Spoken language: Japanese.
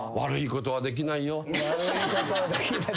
・悪いことはできない。